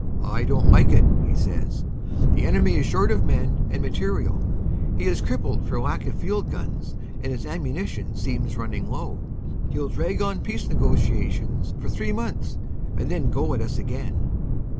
"I don t like it," he says. "The enemy is short of men and material. He is crippled for lack of field guns and his ammu nition seems running low. He ll drag on peace negotiations for three months and then go at us again."